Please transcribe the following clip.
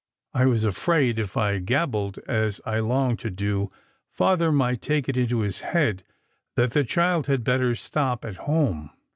I was afraid if I gabbled as I longed to do, Father might take it into his head that the child had better stop at home.